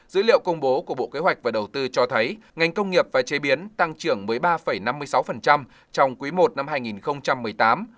dữ liệu công bố của bộ kế hoạch và đầu tư cho thấy ngành công nghiệp và chế biến tăng trưởng với ba năm mươi sáu trong quý i năm hai nghìn một mươi tám